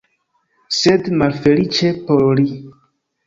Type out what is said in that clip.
Sed malfeliĉe por li.